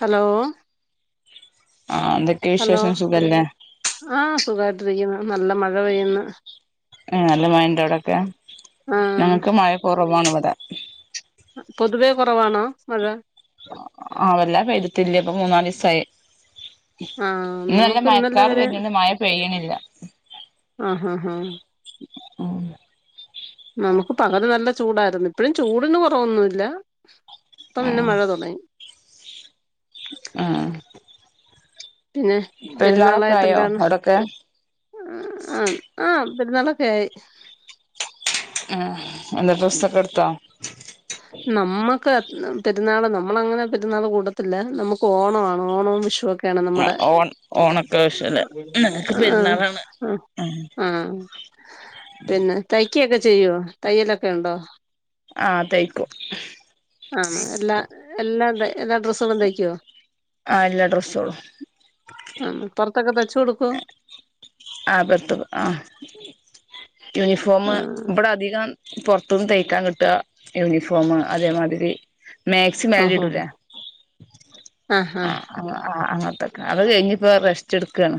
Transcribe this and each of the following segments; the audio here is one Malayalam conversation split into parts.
ഹലോ. ആഹ് ഹലോ എന്തൊക്കെവിശേഷം. സുഖല്ലെ? ആഹ്. സുഖായിട്ടിരിക്കുന്നു. നല്ല മഴ പെയ്യുന്നു. ഏഹ്. നല്ല മഴണ്ടൊ ഔടെക്കെ. ആഹ് ഞങ്ങക്ക് മഴ കൊറവാണ് ഇവടെ. പൊതുവേ കൊറവാണോ മഴ. ആഹ്. വെല്ലാ പെയ്ത്ട്ടില്ല. ഇപ്പൊ മൂന്നാലീസായി. ആഹ് ഇന്ന് നല്ല നമുക്ക് ഇന്നലെ മയക്കാറ് വരെ വര്ന്ണ്ട്. മഴ പെയ്യ്ണില്ല. അഹ്. അഹ്. അഹ്. നമുക്ക് പകല് നല്ല ചൂടായിരുന്നു. ഇപ്പഴും ചൂടിന് കൊറവൊന്നുല്ല. ഇപ്പം പിന്നെ ആഹ് മഴ തുടങ്ങി. ആഹ്. പിന്നെ പെരുന്നാളൊക്കെ പെരുന്നാളായിട്ട് ആയോ എന്താണ്? അവിടൊക്കെ ആ ആഹ് പെരുന്നാളൊക്കെ ആയി. ഏഹ്. എന്താ ഡ്രസ്സ് ഒക്കെ ഇടുത്തോ? നമ്മക്ക് പെരുന്നാള് നമ്മളങ്ങനെ പെരുന്നാള് കൂടത്തില്ല. നമുക്ക് ഓണാണ് ഓണോം വിഷുവൊക്കെ. ക്കേണ് നമ്മുടെ, ഓൺ ഓണൊക്കെ ആവശ്യല്ലേ ഞങ്ങക്ക് ആ പെരുന്നാളാണ് അ ആഹ് പിന്നെ തയ്ക്കൊക്കെ ചെയ്യോ? തയ്യലൊക്കെ ഉണ്ടോ? ആ. തയ്ക്കും. ആ എല്ല എല്ലാ.. എല്ലാ ഡ്രസ്സു ഒക്കെ തയ്ക്കോ? ആ, എല്ലാ ഡ്രസ്സേളും ആ പുറത്തൊക്കെ തയ്ച്ച് കൊടുക്കോ? ആ പുറത്തൊക്കെ ആഹ് യൂനിഫോമ് ആഹ് ഇബെടധികം. പൊറ്ത്ത്ന്ന് തയ്ക്കാൻ കിട്ടാ യൂണിഫോമാ അതേമാതിരി മാക്സി മേലി ഓഹോ ടൂലേ. ആഹ് ആ ആഹ് ആ അങ്ങത്തെ അത് കഴിഞ്ഞിപ്പോ റസ്റ്റ് ഇട്ക്കാണ്.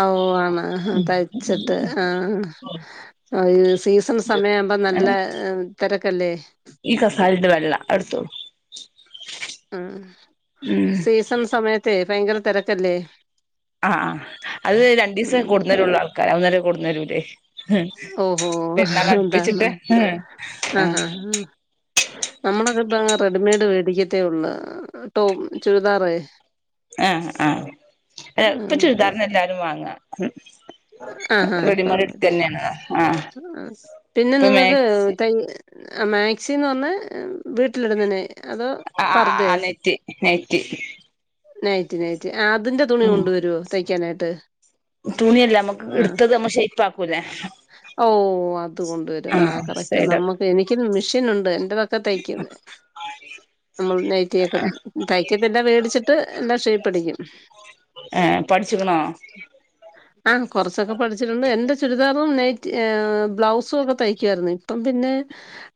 ആഓ ആണോ തയ്ച്ചിട്ട് ആഹ്. ആ യീ സീസൺ സമയം ആവുമ്പോ നല്ല തെരക്കല്ലേ? ഈ കസാലി ണ്ട് വെള്ള അ ഇട്ത്തോളു ഉം ഉം സീസൺ സമയത്തെ ഭയങ്കര തെരക്കല്ലെ?. അ ആഹ് അത് രണ്ടീസം ഉം കൊട്ന്നരുള്ളു ആൾക്കാര്. അന്നേരം കൊട്ന്നരൂല്ലേ. ഉം ഓഹോ പിന്നെ അതാണ് മട്ടിച്ചിട്ട് ഹ് ആഹ് [inaudible] നമ്മളൊക്കെ ഇപ്പ റെഡിമെയ്ഡ് വേടിക്കത്തേ ഉള്ളു. ടോ ചുരിദാറ് ആ ആ എ ഇപ്പൊ ചുരിദാറന്നെ എല്ലാരും വാങ്ങ. റെഡിമെയ്ഡ് ഇട്ക്കന്നേണ് ആ ഉം പിന്നെ ഇപ്പൊ നിങ്ങക്ക് മാക്സി തൻ ആ മാക്സിന്ന് പറഞ്ഞ. വീട്ടിലിടുന്നനെ അതോ, പർദയോ? നൈറ്റി നൈറ്റി നൈറ്റി, ആ അതിന്റെ തുണി ഉം കൊണ്ട് വരുവോ? തയ്ക്കാനായിട്ട്. തുണിയല്ല. നമ്മക്ക് എടുത്തത് നമ്മ ഷേയ്പ്പ് ആക്കൂലേ?. ഓ അ ത് കൊണ്ടുവരും. ആ കറക്റ്റ് നമ്മുക്ക് എനിക്ക് മെഷീനുണ്ട്. എന്റെതൊക്കെ തയ്ക്കു നമ്മൾ നൈറ്റിയൊക്കെ, തയ്ക്കത്തിന്റെ വേടിച്ച് ട്ട്, എന്റെ ഷേയ്പ്പ് അടിക്കും. ഏ പഠിച്ചിക്കണോ ആ കുറച്ചൊക്കെ പഠിച്ചിട്ടുണ്ട്. എന്റെ ചുരിദാറും, നൈറ്റി ഏ ബ്ലൗസും, ഒക്കെ തയ്ക്കുവാരുന്നു. ഇപ്പം പിന്നെ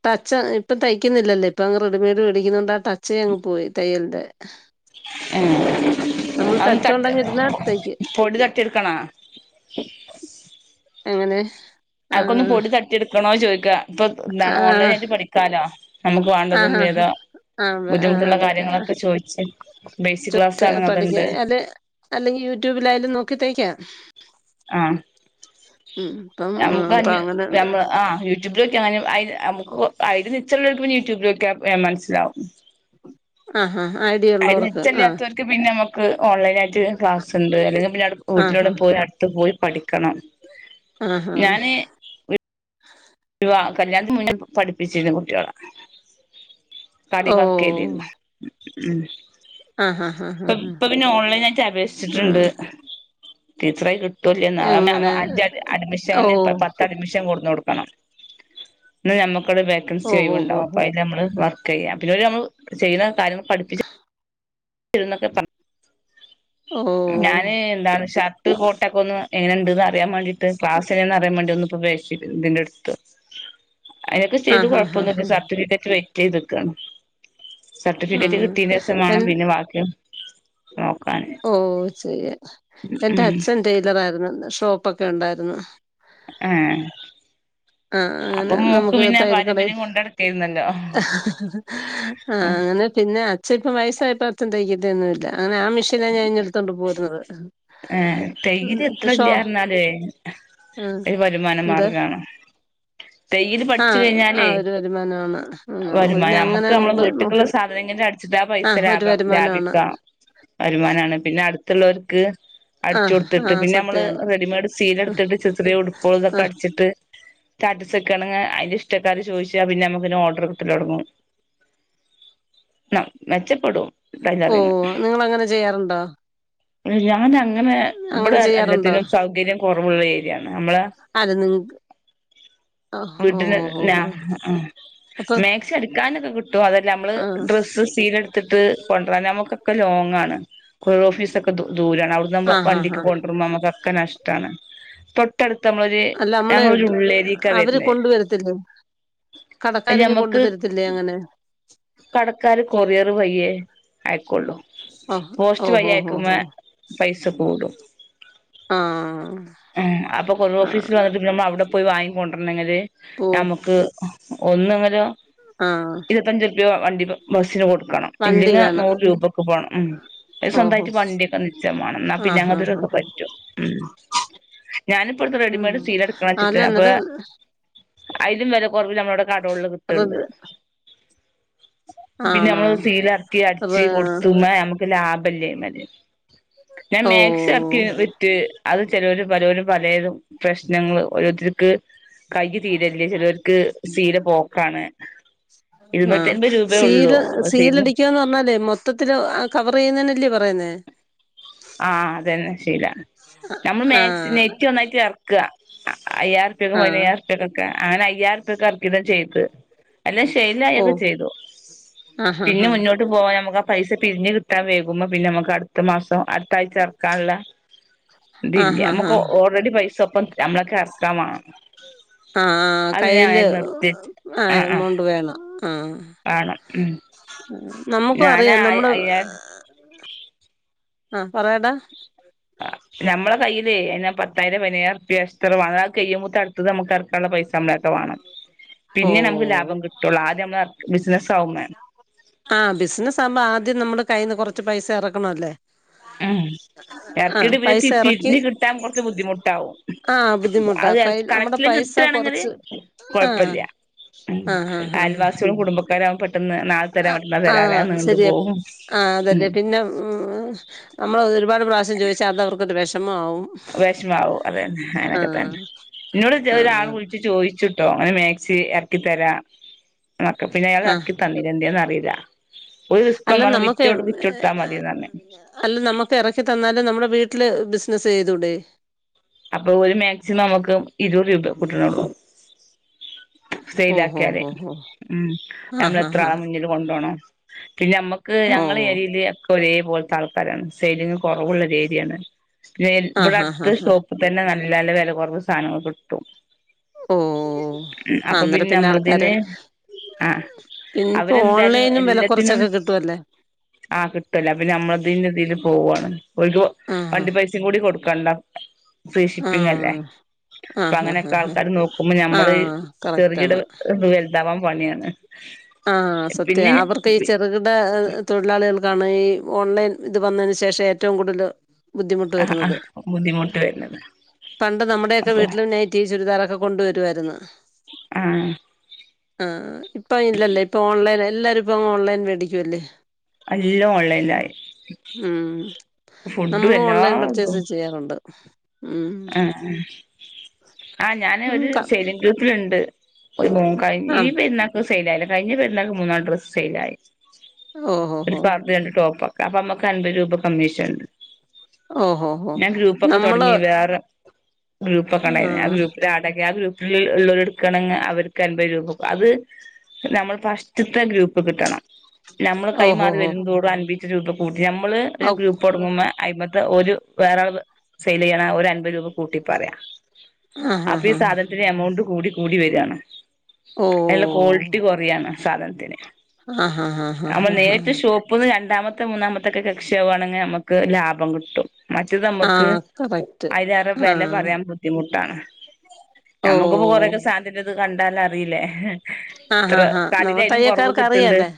ടച്ച്, ഇപ്പ തയ്ക്കുന്നില്ലല്ലേ. ഇപ്പൊ അങ്ങ് റെഡിമെയ്ഡ് മേടിക്കുന്നോണ്ട് ആ ടച്ചേ അങ്ങ് പോയി. തയ്യലിന്റെ ഏ, നമ്മൾ അന്ന് തട്ട്, തച്ചോണ്ടങ്ങ് ഇരുന്നാ തയ്ക്കും പൊടി തട്ടിയെടുക്കണോ? എങ്ങനെ? അതൊക്കെന്ന് പൊടി തട്ടിയെടുക്കണോ ചോദിക്കാ.? ഇപ്പൊ ആ എന്താണ് ഓൺലൈൻ ആയിട്ട് പഠിക്കാലോ. നമുക്ക് വേണ്ടതും ആഹാ ഹാ ഏതാ ആ ആ, ബുദ്ധിമുട്ടുള്ള അതൊക്കെ കാര്യങ്ങളൊക്കെ ചോ ശേ ബേസിക് ക്ലാസ് ആണ് അത്ണ്ട് അല്ലെങ്കി യൂട്യൂബിൽ ആയാലും നോക്കി തയ്ക്കാം. ആഹ് ഉം ഇപ്പം ആ, നമുക്ക് ഇപ്പം അഞ്ഞ് അങ്ങനെ നമ്മൾ ആഹ് ട്യൂബ്യൂ നോക്കിയാഅയിൽ മുക്കു അയില് നിച്ചളോൽക്ക് യൂട്യൂബിലോക്കിയാ വേം മനസ്സിലാവും അഹാ ഹാ ഐഡിയോ അയില് നിച്ചല്ലാത്തോൽക്ക് പിന്നെ നമുക്ക് ഓൺലൈനായിട്ട് ക്ലാസ്ണ്ട് അല്ലെങ്കിൽ പിന്നെ ആഹാ വീട്ടിലൂടെ പോയി ത്ത് പോയി പഠിക്കണം ആഹാ ഞാന് വിവാ കല്യാണത്തിന് മുന്നേ പഠിപ്പിച്ചിരുന്നു കുട്ട്യാളെ [unintelligible] ഓ വർക്കെയ്തിരുന്നു ഉം ആഹാ ഹാ ഹാ ഇപ്പം ഹാ ഇപ്പ പിന്നെ ഓൺലൈൻനായിറ്റ് ഹാ ആ അപേക്ഷിച്ചിട്ട്ണ്ട് ടീച്ചറായി കിട്ടോ ഇല്ലയോന്നാ എങ്ങനെ [unintelligible] അഞ്ച് ഓ അഡ്മിഷന് പത്ത് അഡ്മിഷൻ കൊടുന്ന് കൊടുക്കണം. ഇന്ന് ഞമ്മക്കട് വേക്കൻസി ഓ ഹോ ഒഴിവ് ഹോ ഇണ്ടാവും ഹോ അപ്പൊ അയില് നമ്മള് വർക്കെയ്യാ പിന്നെ ഓര് നമ്മള് ചെയ്യുന്ന കാര്യങ്ങള് പഠിപ്പിച്ചാ [unintelligible] ഓ ഞാന് എന്താണ് ഷർട്ട് കോട്ടൊക്കെ ഒന്ന് എങ്ങനെ ഇണ്ട്ന്ന് അറിയൻ വേണ്ടീട്ട് ക്ലാസ് എങ്ങനെ അറിയാൻ വേണ്ടി [unintelligible] ഇതിന്റെ ഇട്ത്ത് അയിനൊക്കെ ചെയ്ത് ആഹാ ഹാ കൊഴപ്പൊന്നുല്ലാ ഹാ സർട്ടിഫിക്കറ്റ് വെയിറ്റെയ്ത്ക്കാണ് ഹാ ആ സർട്ടിഫിക്കറ്റ് കിട്ടിയേന്റെഷം എൻ വേണം പിന്നെ ബാക്കിയും നോക്കാന് ഓഹ് ചെയ്യാ എന്റെ ഉം അച്ഛൻ ടെയിലറായിരുന്നു ഷോപ്പൊക്കെ ഒണ്ടായിരുന്നു ആഹ് ആ അങ്ങനെ അപ്പം മോക്ക് നമുക്ക് പിന്നെ പാരമ്പര്യം കൊണ്ടടക്കായിരുന്നല്ലോ ഹ ഹ ഹ് ആഹ് അങ്ങനെ പിന്നെ അച്ഛ ഇപ്പം വയസായപ്പ അച്ഛൻ തയ്ക്കത്തൊന്നും ഇല്ലാ അങ്ങനെ ആ മിഷ്യനാ ഞാൻ ഇങ്ങെടു ണ്ട് പോരുന്നത് ഏഹ് തൈര് എത്ര പക്ഷോ ഇല്ലാർഞ്ഞാലുവെ ആ ഒരു വരുമാന എന്ത് മാർഗാണ് തെയ്യല് ആ പഠിച്ച് ആ കഴിഞ്ഞാലേ ഒരു വരുമാനമാണ് ആ, നമുക്ക് പിന്നെ വരുമാനാ അങ്ങനെ നമ്മക്ക് നമ്മളെ അങ്ങോട്ട് വീട്ട്ക്ക്ള്ള നോക്ക് സാധനെങ്കില് അട് ച്ചിട്ട് ആ പൈസ ഒരു ലാഭ വരുമാനമാണ് ലാഭിക്കാം വരുമാനാണ് പിന്നെ അടുത്ത്ള്ളോലിക്ക് ആ അടിച്ച് ആ കൊടുത്തിട്ട് പിന്നെ നമ്മള് സത്യാണ് റെഡിമെയ്ഡ് സീലെട്ത്തിട്ട് ചെ ചെറിയെ ഉടുപ്പേള് ആ ആ ഇതെക്കെ അടിച്ചിട്ട് സ്റ്റാറ്റസ് വെക്കാണെങ്ങെ അയിന്റെ ഇഷ്ട്ടക്കാര് ചോദിച്ചാ പിന്നെ നമ്മക്ക് ഓഡറ് കിട്ടലൊടങ്ങും [unintelligible] മെച്ചപ്പെടും ടൈലറിങ് ഓഹ് നിങ്ങള് അങ്ങനെ ചെയ്യാറുണ്ടോ? [unintelligible] അങ്ങനെ അങ്ങനെ ഇവിടെ ചെയ്യാറുണ്ടോ? എല്ലത്തിനും സൗകര്യം കൊറവുള്ള ഏരിയാണ് നമ്മളെ അത് നിങ്ങക്ക് വീട്ട്ന് ന ഓ. ആഹ് ആഹ് അപ്പൊ മാക്സി അടിക്കാനൊക്കെ കിട്ടും അതല്ല നമ്മള് ആ ഡ്രസ്സ് സീലെട് ത്തിട്ട് കൊണ്ടരാൻ നമുക്കൊക്കെ ലോങ്ങാണ് [unintelligible] ഓഫീസൊക്കെ ദു ദൂരാണ് അവിടുന്നാമ്പം ആ ഹാ വണ്ടിക്ക് ഹാ കൊണ്ട് [unintelligible] നമ്മക്കൊക്കെ നഷ്ട്ടാണ് [unintelligible] ട്ടടുത്ത് നമ്മളൊരു അല്ല നമ്മളെ ഞങ്ങളൊരു ഉള്ളേരിക്കാ അവര് വെര്ന്നെ കൊണ്ടുവരത്തില്ലേ കടക്കാരിഞ്ഞ് കൊണ്ട് തരത്തില്ലേ അങ്ങനെ കടക്കാര് കൊറിയറ് വയ്യേ ആയക്കോള്ളു ഓഹ് പോസ്റ്റ് ഓഹ് ഓഹ് ഓഹ് വയ്യയക്കുമ്പോ ഓഹ് പൈസ കൂടും ആഹ് ഉം അപ്പൊ കൊറിയർ ഓഫീസില് ആഹ് വന്നിട്ട് നമ്മള് അവിടെ പോയി വാങ്ങിക്കൊണ്ടരണെങ്കില് ഓഹ് നമ്മക്ക് ഒന്നെങ്കിലും ആഹ് ഇരുപത്തഞ്ച്റുപ്യാ വണ്ടി ബസ്സിന് കൊടുക്കണം വണ്ടി ഇല്ലെങ്ക് വേണം നൂറ് രൂപക്ക് പോണം ഉം ഓഹോ സ്വന്തായിറ്റ് വണ്ടിയൊക്കെ നിച്ചം മാണം ഇന്നാ പിന്നെ ആഹ് ആഹ് ആഹ് അങ്ങത്തോരൊക്കെ പറ്റും ഉം ഞാനിപ്പ എടുത്ത ഉം റെഡിമെയ്ഡ് സീലെടുക്കണച്ചിട്ട് അല്ല അപ്പാ എന്നിട്ട് അയിലും വെല കൊറവില് ഞമ്മളെവിടെ കടോളില് കിട്ട്ണ്ട് ഋത് പിന്നെ ആണോ നമ്മള് അത് സീലാക്കി അടിച്ച് റ് കൊടുത്ത്മ്മെ നമ്മക്ക് ലാഭല്ലെയ്മല് ഞാൻ മേക്സി എറക്കി ഓഹ് വിറ്റ് അത് ചെലോല് പറിം ഓല് പലേതും പ്രശ്നങ്ങൾ ഓരോരുത്തർക്ക് കൈയ്യ് തീരെല്ലാ ചെലോൽക്ക് ശീല പോക്കാണ് ഇരുന്നൂറ്റി ആഹ് അൻപത് രൂപയേ ഉള്ളൂ സീല് അപ്പൊ സീരിന് സീലടിക്കാന്ന് പറഞ്ഞാല് മൊത് മൊത്തത്തില് കവർ ചെയ്യുന്നേനല്ലേ പറയുന്നേ ആഹ് അത് തന്നെ ശീലാ ഞമ്മള് മാക്സി ആഹ് നെറ്റി നന്നായിറ്റെറ ർക്ക അയ്യായിരം റുപ്യക്കും ആഹ് പതിനയ്യായിരം ഉർപ്യക്കൊക്കെ അങ്ങനെ അയ്യായിരം ഉർപ്യക്കെറക്കിയിട്ട ചെയ്തെ എല്ല ശൈലായൊക്കെ ഓഹ് ചെയ്തു ആഹ് ആഹ് പിന്നെ മുന്നോട്ട് പോവാൻ നമുക്ക് ആ പൈസ പിരിഞ്ഞ് കിട്ടാൻ വൈകുമ്പോ പിന്നെ നമുക്ക് അടുത്ത മാസം അടുത്തായ്ച്ച എർക്കാള്ളെ ആഹ് ഇതില്യ ആഹ് ആഹ് നമുക്ക് ഓ ഓൾറെഡി പൈസ ഒപ്പം നമ്മക്ക് എറക്കാം മാണം ആഹ് കയ്യില് നിർത്തി ആ എമൗണ്ട് വേണം ആഹ് വേണം ഉം ഉം നമുക്കും ഞാനാ അറിയാം നമ്മുടെ അയ്യാ ആഹ് പറയെടാ ആഹ് നമ്മളെ കയ്യിലേ ആ പത്തായിരം പതിനയ്യായിരം ഉറുപ്പിയ എക്സ്ട്രാ വേണം ഇന്നാ അത് കയ്യുമ്പോത്ത് അടു ത്തത് നമ്മക്ക് എറക്കാള്ള പൈസ നമ്മളേക്കെ വാണം പിന്നെ നമ്മക്ക് ഓഹ് ലാഭം കിട്ടൊള്ളൂ ആദ്യം നമ്മള് എറ ബിസിനസ്സാവുമ്പേ ആഹ് ബിസിനസ്സാകുമ്പോ ആദ്യം നമ്മുടെ കയ്യിന്ന് കൊറച്ച് പൈസ എറക്കണം അല്ലേ? ഉം എറക്കിയിട്ട് പിന്നെ തീ തിരിഞ്ഞ് കിട്ടാൻ കൊറച്ച് ബുദ്ധിമുട്ടാവും ആഹ് ബുദ്ധിമുട്ടാ അഹ് ചെല കയ്യിൽ നമ്മടെ കറക്റ്റില് പൈസ കിട്ടാണെങ്കില് കൊറച്ച് ആഹ് കൊഴപ്പല്ല്യ ഉം ആഹ് ആഹ് ആഹ് അയൽവാസികളും കുടുംബക്കാരും ആകുമ്പം പെട്ടെന്ന് നാളെ തരാം ആഹ് മറ്റന്നാൾ ആ തരാം പറയാതെ നീണ്ടു ശരിയാ പോകും ആ ഉം അതന്നെ പിന്നെ ഉം നമ്മളത് ഒരുപാട് പ്രാവിശ്യം ചോദിച്ചാ അത് അവർക്കൊരു വെഷമാവും വെഷമാവും അതെ തന്നെ അങ്ങനൊക്കെ തന്നെ ആഹ് ഇന്നോട് ഒരാള് ആഹ് വിളിച്ച് ചോയിച്ചിട്ട് കേട്ടോ അങ്ങനെ മാക്സി എറക്കി തരാം എന്നക്കെ പിന്നെ അയാള് ആഹ് എറക്കി തന്നില എന്തേന്ന് അറീല്ല ഒരു അല്ല റിസ്ക്കും [unintelligible] വി നമ്മക്ക് വിറ്റു കൊടുത്താ മതീന്നു പറഞ്ഞു അല്ല നമുക്ക് എറക്കി തന്നാല് നമ്മുടെ വീട്ടില് ബിസിനസ്സ് ചെയ്തൂടെ? അപ്പൊ ഒരു മാക്സിമം നമുക്ക് ഇരു നീറ് രൂപ കൂട്ട്ണൊള്ളൂ ഓഹ് സെയിലാക്കിയാലെ ഓഹ് ഓഹ് ഉം ഓഹ് ആഹ് നമ്മളെത്രാ ആഹ് മുന്നില് കൊണ്ടോണം പിന്നെ നമ്മക്ക് ആഹ് ഞങ്ങള് ഓഹ് ഏരിയേല് ഒക്കെ ഒരേ പോലത്തെ ആൾക്കാരാണ് സെയിലിങ്ങ് കൊറവ്ള്ള ഒരു എരിയാണ് പിന്നെ ഇവടെ ആഹ് ആഹ് അടുത്ത് ആഹ് ഷോപ്പി തന്നെ നല്ല നല്ല വെല കൊറവ് സാധനങ്ങള് കിട്ടും ഓഹോ ആഹ് അപ്പൊ അന്നേരം പിന്നെ ആൾക്കാര് നമ്മളിതിന് ആഹ് ഇന്ന്പ്പോ അവരെന്തായാലും ഓൺലൈനും വെല കൊറച്ചൊക്കെ കിട്ടുവല്ലേ? ആഹ് കിട്ടൊല്ല അപ്പ പിന്നെ നമ്മൾതേല് ഇതിന് പോവാണ് ഓൽക്ക് ആഹ് വണ്ടി പൈസ കൂടി കൊടുക്കണ്ട ഫ്രീ ഷിപ്പിങ്ങല്ലേ ആഹ് അപ്പൊ ആഹ് ആഹ് അങ്ങനെയൊക്കെ ആഹ് ആൾക്കാര് നോക്കുമ്പോ ഞമ്മള് ആഹ് [unintelligible] കറക്റ്റാണ് ഇത് വൽതാവാൻ പണിയാണ് ആഹ് സത്യവാ പിന്നെ അവർക്ക് ഈ ചെറുകിട തൊഴിലാളികൾക്കാണ് ഈ ഓൺലൈൻ ഇത് വന്നേന് ശേഷം ഏറ്റവും കൂടുതല് ബുദ്ധിമുട്ട് ആ ആ വരുന്നത് ബുദ്ധിമുട്ട് വരുന്നത് പണ്ട് നമ്മുടെയൊക്കെ അപ്പൊ വീട്ടിലും നൈറ്റ് നൈറ്റിയും, ചുരിദാറൊക്കെ കൊണ്ടുവരുവായിരുന്നു ആഹ് ആഹ് ഇപ്പയില്ലല്ലേ ഇപ്പൊ ഓൺലൈൻ എല്ലാരും ഇപ്പങ്ങ് ഓൺലൈൻ മേടിക്കുവല്ലേ എല്ലും ഓൺലൈനിലായി ഉം ഫുഡും നമ്മളും എല്ലാ ഓൺലൈൻ പർച്ചേയ്സ് ചെയ്യാറുണ്ട്. ഉം ആഹ് ആ ഞാന് ഉം ഒരു ക സെയ്ലിംങ്ങ് ഗ്രൂപ്പില്ണ്ട് കഴിഞ്ഞ, ഈ ആഹ് പെരുന്നാക്ക് സെയിലായില്ല, കഴിഞ്ഞ പെരുന്നാൾക്ക് മൂന്നാല് ഡ്രസ്സ് സെയിലായി ഓഹ് ഓഹ് ഒരു ഓഹ് പർദിം, രണ്ട് ടോപ്പക്കെ അപ്പൊ നമ്മക്ക് അൻപത് രൂപ കമ്മീഷന്ണ്ട് ഓഹോ ഹോ ഞാൻ ഗ്രൂപ്പൊക്കെ നമ്മള് തൊടങ്ങി വേ റെ ഗ്രൂപ്പൊക്കെ ഇണ്ടായി ആഹ് ആ ഗ്രൂപ്പില് ആഡാക്കി ആ ഗ്രൂപ്പ് ഇൾ ഇള്ള ഇള്ളവരെടുക്കാണെങ്ങേ അവര്ക്ക് അൻപത് രൂപ അത് പിന്നമ്മള് ഫസ്റ്റ്ത്തെ ഗ്രൂപ്പ് കിട്ടണം നമ്മള് ഓഹോ കൈമാറി ഹോ വരുംതോറും [unintelligible] രൂപ കൂട്ടി നമ്മള് ഒരു ഗ്രൂപ്പ തൊടങ്ങുമ്പ അയിമ്പത്തെ ഒരു വേറെ [unintelligible] സെയില് ചെയ്യണ ഒരു അമ്പത് രൂപ കൂട്ടി പറയാം ആഹ് അപ്പൊ ആഹ് ഈ ആഹ് സാധനത്തിന് എമൗണ്ട് കൂടി കൂടി വെര്യാണ് എളു ഓഹ് ക്വാളിറ്റി കൊറയാണ് സാധനത്തിന് ആഹ് ആഹ് ആഹ് അമ്മള് ആഹ് ആഹ് നേരിട്ട് ഷോപ് പ്പ്ന്ന് രണ്ടാമത്തെ മൂന്നാമത്തൊക്കെ കക്ഷിയാവാണെങ്കി ഞമ്മക്ക് ലാഭം കിട്ടും ആഹ് കറക്റ്റ് അയ്ലേറെ വെല ആഹ് പറയാൻ ബുദ്ധിമുട്ടാണ് ഞമക്ക്പ്പോ ഓഹ് കൊറെയൊക്കെ സാൻ അയ്ന്റെത് കണ്ടാലറിയിലെ ആഹ് ആഹ് ആഹ് ന്നമ്മ തയ്യക്കാർക്ക് കിട്ട്ണ്ട് അറിയാലെ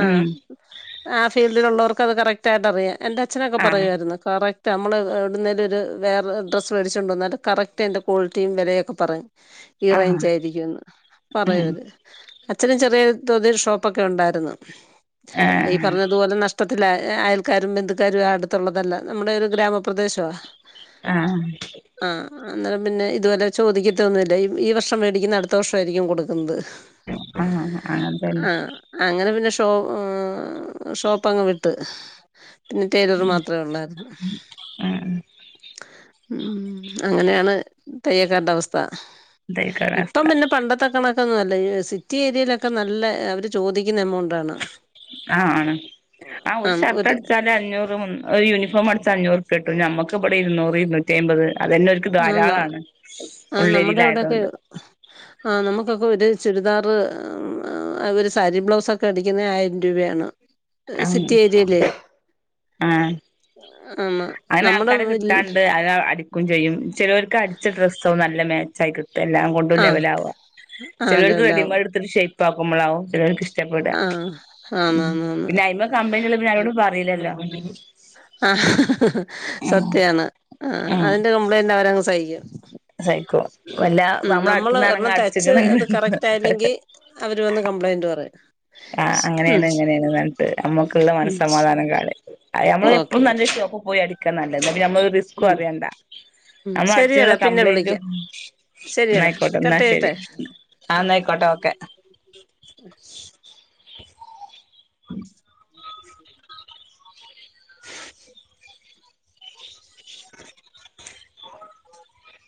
ആഹ് ഉം ആഹ് ഫീൽഡിലുള്ളോർക്ക് അത് കറക്റ്റായിട്ടറിയാം എന്റെ അച്ഛനൊക്കെ ആഹ് പറയുവാരുന്നു കറക്റ്റ് അമ്മള് എവ്ട്ന്നേലോര് വേറെ ഡ്രസ് വേടിച്ചോണ്ട് വന്നാല് കറക്റ്റ് അയ്ന്റെ ക്വാളിറ്റിയും വെലയൊക്കെ പറയും ആഹ് ഇറേഞ്ചായിരിക്കുംന്ന് ഉം പറയുവര് അച്ഛന് ചെറിയോര് തോതിൽ ഷോപ്പൊക്കെ ഒണ്ടാരുന്നു ഈ ആഹ് പർഞ്ഞത്പോലെ നഷ് [unintelligible] അയൽക്കാരും ബന്ധുക്കാരും അടുത്തുള്ളതല്ല ന്നമ്മുടെ ഒരു ഗ്രാമപ്രദേശവാ ആഹ് ആഹ് അന്നേരം പിന്നെ ഇത്പോല ചോദിക്കത്തൊന്നുല്ല ഇ ഈ വർഷം മേടിക്കുന്നെ അടുത്ത വർഷവാരിക്കും കൊടുക്കുന്നത് ആഹ് അതന്നെ ആഹ് അങ്ങനെ പിന്നെ ഷോ എഹ് ഷോപ്പങ്ങ് വിട്ട് പിന്നെ ടേലർ മാത്രെ ഒള്ളാരുന്നു ഉം ഉം ഉം അങ്ങനെയാണ് തയ്യക്കാരുടെ അവസ്ഥ തയ്യക്കാരഅവസ്ഥ പണ്ടത്തെക്കണക്കോന്നല്ല എഹ് സിറ്റി ഏരിയേലൊക്കെ നല്ല അവര് ചോദിക്കുന്ന എമൗണ്ടാണ് ആഹ് ആണ് ആഹ് ഒര് ഷർട്ട് അടിച്ചാല് അഞ്ഞൂറ് മു ഒര് യൂണിഫോം അട്ച്ചാഅഞ്ഞൂറുപ്യട്ടും ഞമക്ക് ഇബടെ ഇര്ന്നൂറ് ഇര്ന്നു ന്നുറ്റ്യഅയ്മ്പത്അതന്നെ ഓല്ക്ക് ആന്ന് ധാരാളാണ് ഉള്ളേരിലായതോണ്ട് ആഹ് ന്നമുക്കൊക്കോര് ചുരിദാറ് ആഹ് അതോര് സാരി ബ്ലൗസൊക്കെ അടിക്കുന്നെ ആയിരം രൂപയാണ് ഉം സിറ്റി ഏരിയെലെ ആഹ് നമ്മുടെ അയ്നാൾക്കാരേ വിൽ കിട്ടാണ്ട് അയ്നോ അടി ക്കും ചെയ്യും ചെലോര്ക്ക് അട്ച്ച ഡ്രസ്സും നല്ല മാച്ചായിക്ക് ഇപ്പ എല്ലാം കൊണ്ടും ആ ലെവലാവ ആ ചെലോർക്ക് ലെവലാവും റെഡിമെയ്ഡ് എട്ത്ത്ട്ട് ഷേപ്പാക്കുമ്പളാവും ചെലോർക്ക് ഷ് ആഹ് ആന്നാന്നാന്ന് ഇങ്ങക്ക് കമ്പനി ഇല്ലേപ്പൊന്നാരോടും പറയിലല്ലോ ആഹ് സത്യാണ് ആഹ് ഉം അതിന്റെ കംപ്ലൈന്റ് അവരങ്ങ് സഹിക്കും സഹിക്കും വല്ല ഉം നമ്മള നമ്മള് അടുത്തുന്നാണെങ്കി ഒരെണ്ണം തയ്ച്ച് അടിച്ചിക്കണ് അത് കറക്റ്റ് ആയില്ലെങ്കി അവര് വന്ന് കംപ്ലൈന്റ് പറയും ആഹ് ഉം അങ്ങനെണ് ഇങ്ങനെണ് ന്നർഞ്ട്ട് അമ്മക്ക്ള്ള ഉം മനസ്സമാധാനം കളയും അയ് ഞമ്മള് ഓക്കെ എപ്പോളും ന്നല്ല ഓക്കെ ഷോപ്പ് പോയി അടി ക്കാ നല്ലത് എന്നാ പിന്നെ ഞമ്മള് ഒരു റിസ്കും ഉം അറിയണ്ട ഉം ഞമ്മള് ശരിയടാ അട്ച്ചിന്നുള്ള പിന്നെ കംപ്ലയിന്റും വിളിക്കാം ശരിയടാ എന്നായിക്കോട്ടെ ന്നാ കട്ട് ശെരി ചെയ്യട്ടെ ആഹ് ന്നായ്ക്കോട്ടെ ഓക്കെ